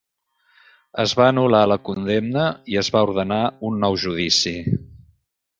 Es va anul·lar la condemna i es va ordenar un nou judici.